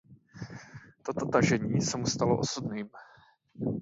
Toto tažení se mu stalo osudným.